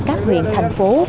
các huyện thành phố